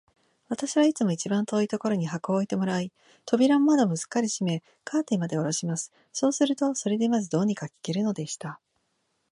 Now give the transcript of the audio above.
私はいつも一番遠いところに箱を置いてもらい、扉も窓もすっかり閉め、カーテンまでおろします。そうすると、それでまず、どうにか聞けるのでした。